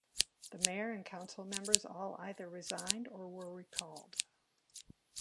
The mayor and council members all either resigned or were recalled.